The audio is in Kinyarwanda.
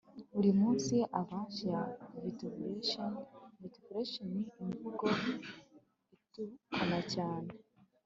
Buri munsi avalanche ya vituperation vituperation imvugo itukana cyane